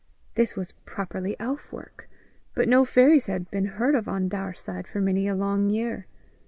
This was properly elf work, but no fairies had been heard of on Daurside for many a long year.